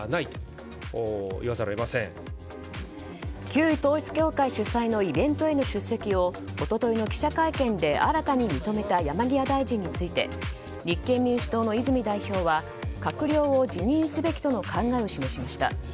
旧統一教会主催のイベントへの出席を一昨日の記者会見で新たに認めた山際大臣について立憲民主党の泉代表は閣僚を辞任すべきとの考えを示しました。